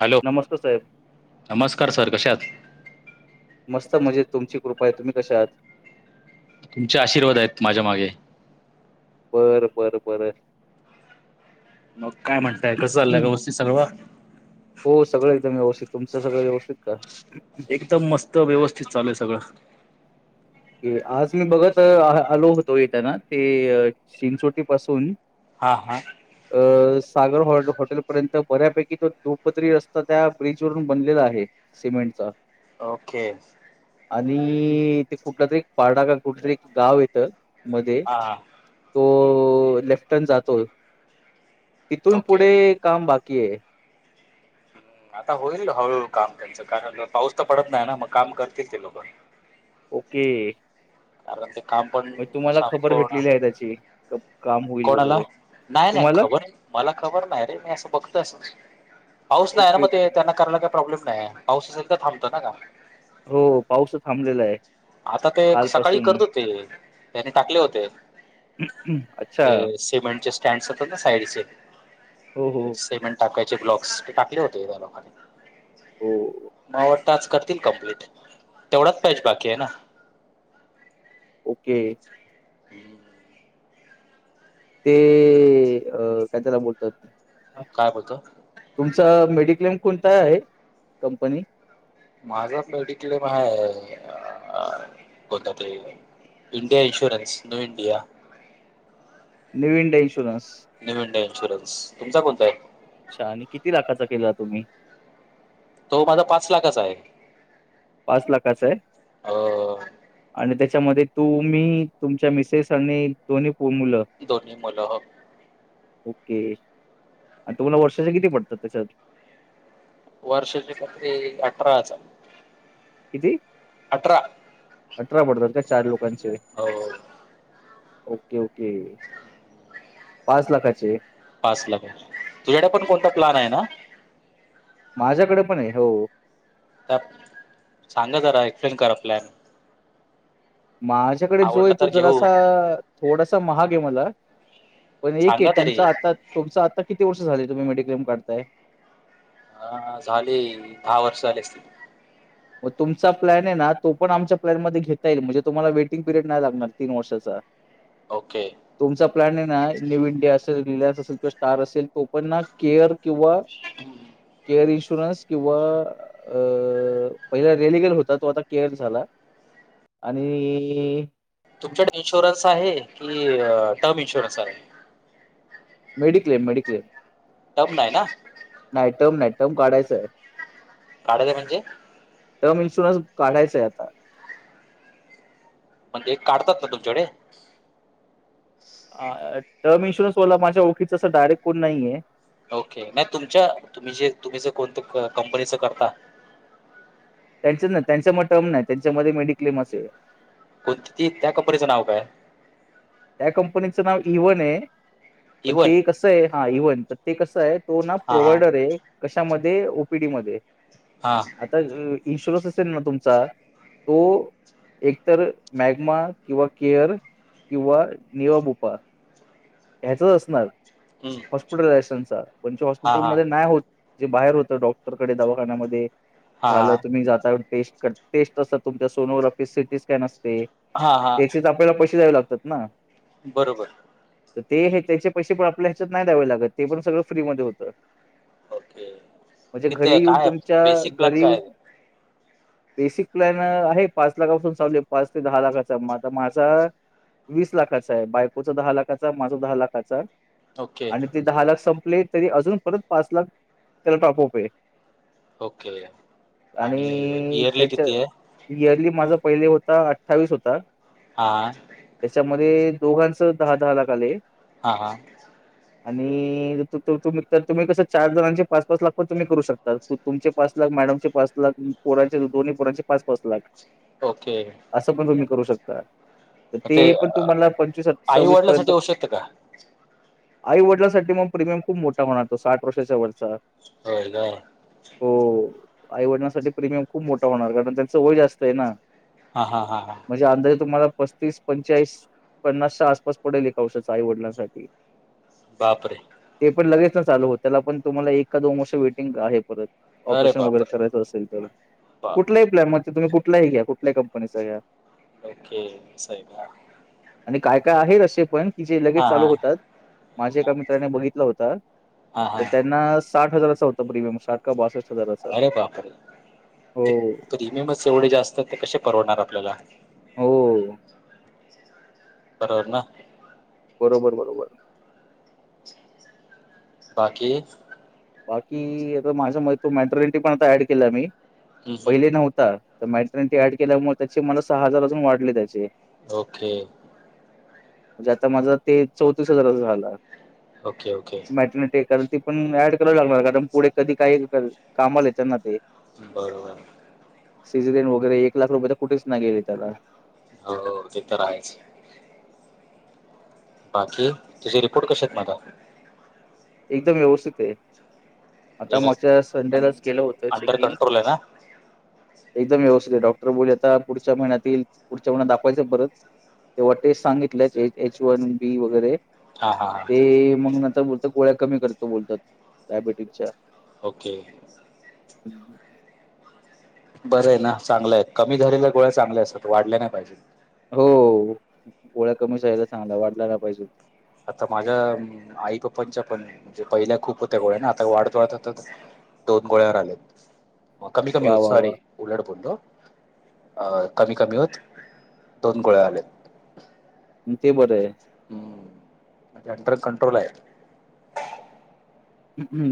Hello, नमस्कार साहेब नमस्कार सर कशे आहात? मस्त मजेत तुमची कृपा आहे तुम्ही कशे आहात? तुमचे आशीर्वाद आहेत माझ्या मागे. बरं, बरं, बरं. मग काय म्हणताय कसं चालंय व्यवस्थित सगळंवार हो सगळं एकदम व्यवस्थित. तुमचं सगळं व्यवस्थित का? एकदम मस्त व्यवस्थित चालू आहे सगळं आज मी बघत आलो होतो येताना ते चिंचोटी पासून हा, हा. अ सागर हॉटेलपर्यंत बऱ्यापैकी तो दोपदरी रस्ता त्या ब्रिज वरून बनलेला आहे. तर सिमेंटच ओके. [inaudible] आणि ते कुठला तरी एक पहाडा गत कुठ तरी एक गाव येतं. मध्ये हा, हा. तो लेफ्ट टन जातो [inaudible] तिथून ओके पुढे काम बा की आहे. आता होईल हळूहळू काम त्यांचं कारण पाऊस तर पडत नाही ना मग काम करतील ते लोक. ओके. कारण ते काम पन मग तुम्हाला खबर संपवणार. भेटलेली आहे त्याची क- काम [inaudible] होईल कोणाला? वगैरे नाही-नाही तुम्हाला खबर मला खबर नाही रे, मी असं बघतोय असचं. पाऊस नाही ना ओके मग ते, ओके त्यांना करायला काही प्रॉब्लेम काय आहे? पाऊस असेल तर थांबतो ना का? हो पाऊस तर थांबलेला आहे आता ते काल. सकाळी करत होते, त्यानी टाकले होते. अच्छा ते सिमेंटचे स्टँड असतात ना साईडचे, हो हो सिमेंट टाकाय चे ब्लाॅक्स टाकले होते, या लोकांनी. हो मला वाटतं आज करतील कंप्लीट ते, तेवढाच पॅच बाकी आहे ना? ओके हम्म ते अं काय त्याला बोलतात? काय बोलतात? तुमचा मेडिक्लेम कोणता आहे कंपनी? माझा मेडिक्लेम आहे आं [unintelligible] India insurance, no India new India insurance. New India insurance, तुमचा कोणता आहे? आणि किती लाखाचा केला तुम्ही? तो माझा पाच लाखाचा आहे. पाच लाखाच आहे अ आणि त्या त्यामध्ये तुमी, तुमच्या मिसेस आणि दोन्ही पो- मुलं दोन्ही मुलं हो ओके, आणि तुम्हाला वर्षाचे किती पडतात त्याच्यात? वर्षाचे फक्ते अठरा हजार. किती अठरा अठरा पडतात काय चार लोकं? हो ओके ओके पाच लाखाचे पाच लाखाचे, तुझ्याकडे पण कोणता प्लान आहे ना? माझ्याकडे पण आहे हो. तर सांगा जरा, एक्सप्लेन करा प्लॅन. माझ्याकडे जो आवडलं येतो तर घेऊ जरासा, थोडासा महाग आहे मला पण एक हे, सांगा तरी तुमचा आता तुमचा आता किती वर्ष झाली, तुम्ही मेडिक्लेम काढताय? हां हां झाले, दहा वर्ष झाली असतील. मग तुमचा प्लॅन आहे ना, तो पण आमच्या प्लॅनमध्ये घेता येईल, म्हणजे तुम्हाला वेटिंग पिरियड नाही लागणार तीन वर्षाचा. ओके तुमचा प्लॅन हे ना, न्यू इंडिया असलं, रिलायन्स अस तो तर स्टार असेल, तो पण ना, केअर किंवा केअर इशु प्लस किंवा अं पहिला रेलिगल होता, तो आता केअर झाला आणि तुमच्याकडे इन्शुरन्स आहे कि, टर्म इन्शुरन्स आहे. मेडिक्लेम-मेडिक्लेम. [unintelligible] नाही ना? नाही, टर्म काढायचाय. काढायचं म्हणजे? टर्म इन्शुरन्स काढायचाय आता. म्हणजे काढतात ना तुमच्याकडे? आं टर्म इन्शुरन्सवाला माझ्या ओळखीचा असा डायरेक्ट कोण नाही आहे. ओके नाही तुमच्या, तुम्ही जे, तुम्ही जे, कोणते कंपनीचं करता असं नाय, त्यांच्यामध्ये टर्म नाय, त्यांच्यामध्ये मेडिक्लेमच आहे. कोण किती? त्या कंपनीचं नाव काय? त्या कंपनीचं नाव इव्हन आहे. पण इवन ते कसं आहे हा इव्हन तर ते कस आहे तो ना हा हा प्रोव्हायडर आहे कशामध्ये ओपीडी म हा आता इन्शुरन्स असेल ना तुमचा तो एकतर मॅगमा किंवा केअर किंवा निवाबुपा ह्याचच असणार हॉस्पिटलाझेशनचा म्हणज हा हॉस्पिटल म हा नाही होत जे बाहेर होत डॉक्टरकडे दवाखान्यामध्ये हा झालं हा तुम्ही जाताय टे टेस्ट असतात तुमच्या सोनोग्राफी सिटी स्कॅन असते हा हा त्याचे आपल्याला पैसे द्यावे लागतात ना बरोबर तर ते त्याचे पैसे पण आपल्या ह्याच्यात नाही द्यावे लागत ते पण सगळं फ्री म होतं ओके म्हणजे किती घरी येऊन काय तुमच्या बेसिक प्लॅन घरी काय येऊन आहे? बेसिक प्लॅन आहे पाच लाखापून चालले पाच ते दहा लाखाचा म आता माझा वीस लाखाचा आहे बायकोचा दहा लाखाचा माझा दहा लाखाचा ओके आणि ते दहा लाख सं ले तरी अजून परत पाच लाख त्याला टप ओके आणि इयरली त्याच्या किती आहे इयरली माझ पहिले होता अठ्ठावीस होता हा त्याच्यामध्ये दोघांच दहा दहा लाख आले हा हा आणि तुम्ही कसं चार जणांचे पाच पाच लाख तुम्ही करू शकता तुमचे पाच लाख मॅडमचे पाच लाख पोरांचे दोन्ही पोरांचे पाच पाच लाख ओके असं पण तुम्ही करू शकता तर ते पण तुम्हाला पंचवीस आई सव्वीस पर्यंत वडिलासाठी औषध का आईवडिलासाठी मग प्रीमियम खूप मोठा म्हणतो साठ वर्षाच्या वरचा होय का आईवडण्यासाठी प्रीमियम खूप मोठा होणार कारण त्यांचं वय जास्त आहे ना हा हा हा हा म्हणजे अंदाजे तुम्हाला पस्तीस पंचाळीस पन्नासच्या आसपास पडेल एक कऔशा आईवडिलांसाठी बापरे पण लगेच ना ल होत त्याला पण तुम्हाला एकका दोन वर्ष वेटिंग आहे परत अरे ऑपरेशन वगैरे बापरे करायचं असेल तर कुठल्याही बापरे प्लॅनममध्ये तुम्ही कुठ कुठही घ्या कुठल्या कंपनीचा घ्या ओके सई का आणि काय काय आहेत असे पण की जे लगेच हा हा चालू होतात माझ्या एका मित्राने बघितला होत हा हा तर त्यांना साठ हजाराचा होता प्रिमियम साठ का बासष्ट हजाराचा अरे बापरे हो प्रीमियमच एवढे जास्तात ते कसे परवणार आपल्याला हो बरोबर ना बरोबर बरोबर बाकी बाकी आता माझ्या म तो मॅटरनिटी पण आता ऍड केला मी हम्म हम्म पहिले नव्हता तर माहि्र ते ऍड केल्यामुळे त्याचे मला सहा हजार अजून वाढले त्याचे ओके म्हणजे आता माझा ते चौतीस हजारा झाला ओके ओके मॅटनटल त पण ऍड क लागणार कारण पुढे कधी काही कामाले त्यांना ते बरोबर सीझन वगैरे एक लाख रुपये तर कुठेच नाही गेल त्याला हो ते तरहायच बाकी तुझे रिपोर्ट कसे आहेत माझा एकदम व्यवस्थित हैय. आता मागझ्या म्हणजे संडेलाच गेलं होतं अंडर चेकिंग. कंट्रोल आहे ना एकदम व्यवस्थित आहे डॉक्टर बोल आता पुढच्या महिन्यातील पुढच्या महिन्यात दाखवायचं परत - - तेव्हा टेस्ट सांगितलं एच वन बी वगैरे हा हा हा ते मग नंतर बोलतात गोळ्या कमी करतो बोलतात डायबिटीसच्या. ओके. हम्म, हम्. बरं हेना, चांगलंय कमी झालेल्या गोळ्या चांगल्या असतात. वाढल्या नाही पाहिजेत. हो गोळ्या कमी जायला चांगल्या. वाढल्या नाही पाहिजेत. आता माझ्या आईप्पांच्या पण म्हणजे पहिल्या खूप होत्या गोळ्या ना. आता वाढत वाढत [unintelligible] दोन गोळ्यावर आलेत. मग कमी कमी वाह! होत वाह! सॉरी वाह! उलट बोललो. अ कमी कमी होत. दोन गोळ्या आलेत. ते बरयं. म्हजे अंडर कंट्रोल हाय.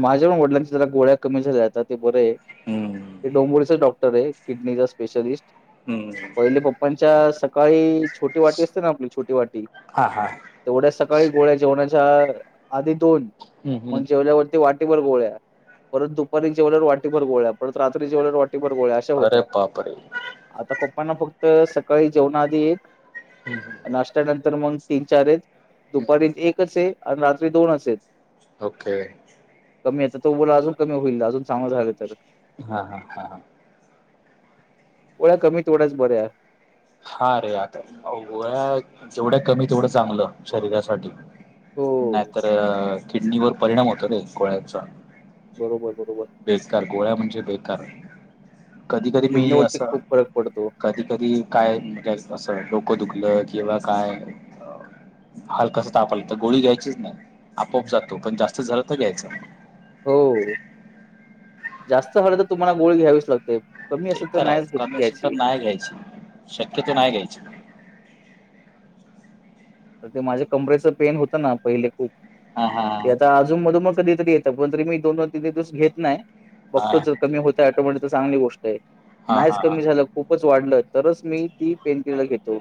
माझ्या पण वडिलांच्या जरा गोळ्या कमी झाल्या आता ते बरयं ते डोंबरीच डॉक्ट - - रयं किडनीचा स्पेशलिस्ट. हम्म. पहिले पप्पांच्या सकाळी छोटी वाटी असते ना आपली छोटी वाटी हां हां तेवढ्या सकाळी गोळ्या जेवणा - - च्या आधी दोन. मग जेवल्यावरती वाटीभर गोळ्या, परत दुपारी जेवल्यावर वाटीभर गोळ्या, परत रात्री जेवल्यावर वाटी - - गोळ्या अशा अरे होत्या. बापरे आता प - - प्पांना फक्त सकाळी जेवणा आधी एक, हम्म, हम्म, नाश्त्यानंतर मग तीन, चार हेत. हम्म. दुपारीत एकचयं आणि रात्री दोनचयं. ओके. कमी येतता. तो बोला अजून कमी होईल. अजून चांगलं झालं तर हा, हा, हा, हा. गोळ्या कमी तेवढ्याच बऱ्या या - - हा रे आता गोळ्या जेवढ्या कमी तेवढं चांगलं शरीरासाठी. हो. नाही तर, किडनीवर परिणाम होतो रे गोळ्याचा. बरोबर, बरोबर. बेकारयं कधी कधी मी अस, किडनीवरती खूप फरक पडतो. कधी कधी [unintelligible] असं डोकं दुखलं किंवा काय - - हलकस ताप आला तर गोळी घ्यायचीच नाही. आपोआप जातो. पण जास्त झालं तर घ्यायचं. हो. जास्त झालं तर तुम्हाला गोळी घ्यावीच लागते. कमी ते असेल तर आहे. नाहीच घेत कमी अशेल तर घ्यायची. नाही घ्यायच. शक्यतो नाही घ्यायची. तर ते माझ्या कमरेच पेन होतं ना पहिले खूप हा हा ते आता अजून मधून मग - - कधीतरी येतं पण तरी मी दोन दोन तीन दिवस घेत नाही हा बघतो जर कमी होत टोमॅट तर चांगली गोष्टहायं. हा नाहीच हा हा कमी झालं खूपच वाढलं तरच, मी ती पेंटिला घेतो.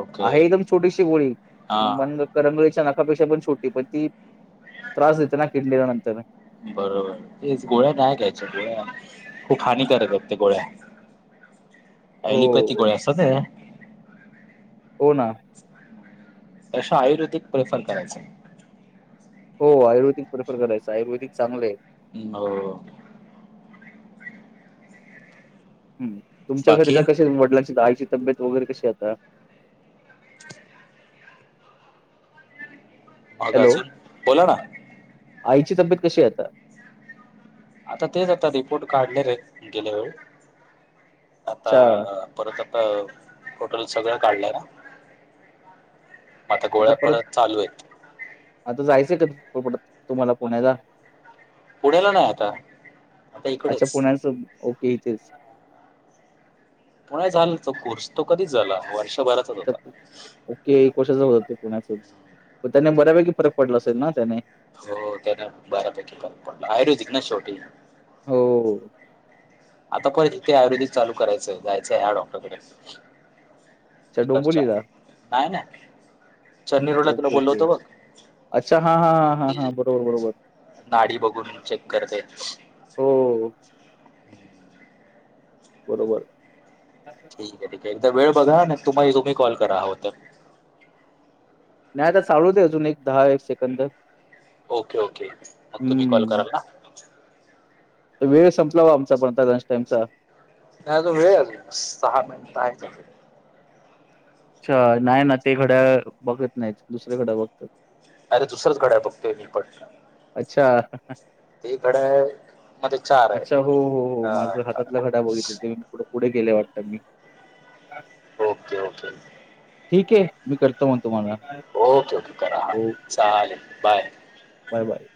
ओके आहे एकदम छोटीशी गोळी हा मन करंगळीच्या नाकाापेक्षा पण छोटी पण ती त्रास देते ना किडलीला नंतर. बरोबर. तेच गोळ्या नाही घ्यायच्या. गोळ्या खूप हानिकारक आहेत त्या गोळ्या. अलिपथी हो, गोळ्या असतात ना ह्या हो ना. तसं आयुर्वेदिक प्रिफर करायचं. हो आयुर्वेदिक प्रेफर करायचं आयुर्वेदिक चांगलंयं. हो. ह. तुमच्या घरी बाकी तर कसे वडिलांची का आईची तब्येत वगैरे कशी आता? ह. हॅलो, गाजून बोला ना. आईची तब्येत कशी आहे आता? आता तेच आता रिपोर्ट काढले आहेत गेल्या वेळ.. आता अच्छा. परत आता डोटल सगळं काढलं ना.. म आता गोळ्या परत चालू आहेत.. आता जायचंय का तुम्हाला पुण्याचा.. पुण्याला नाही आता आता अच्छा इकडेच पुण्याच... ते तेच.. कोणा झालं त कोर्स तो कधीच झाला वर्ष.. ओके एक वर्षा हो पुण्याून.. त्याने बऱ्यापैकी फरक पडला असेल ना त्याने... हो त्याना बारापैकीक पडला आयरदिक ना शेवटी.. हो. आता परत तिथे आयुर्वेदिक चालू करायचं जायचंय या डॉक्टरकडे... अच्छा इकडच्या डोंबिवलीला. नाही ना चरनी रोडला तुला ओके, बोलल ओके. होत बघ... अच्छा हा हा हा हा हा की बरोबर बरोबर.. नाडी बघून चेक करते... हो, बरोबर... ठीक आहे ठीके एकदा वेळ बघा तुम्हा तुम्ही कॉल करा आहो तर.. नाही आता चालू दे अजून एक दहा एक सेकंद.. ओके ओके मग तुम्ही कॉल हं. कराल ना... वेळ संपलावा आमचा पणता लंच टाईमचा... नाही त व सहा मिट आहे... अच्छा नाही ना ते घड्या बघत नाहीत दुसऱ्या घड्या बघतात.. अरे दुसरंच घडा आहे बघतोय मीपट... अच्छा... ते घड्याळ आहे. मध्ये चार अच्छा हो हो हो हा माझ हा, हातातला घडा बघितलं ते पुे पुढे... गेले वाटतात मी.. ओके ओके... ठीक आहे मी करतो मग तुम्हाला ओके ओके करा हा ओके चालेल बाय... बाय बाय...